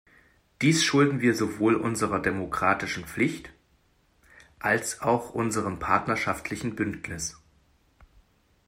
Dies schulden wir sowohl unserer demokratischen Pflicht als auch unserem partnerschaftlichen Bündnis.